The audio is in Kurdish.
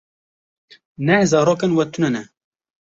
Neh zarokên we tune ne.